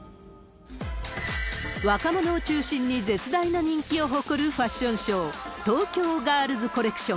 若者を中心に絶大な人気を誇るファッションショー、東京ガールズコレクション。